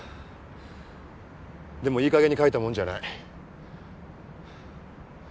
でもいいかげんに書いたもんじゃない。